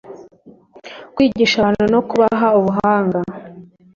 kwigisha abantu no kubaha ubuhanga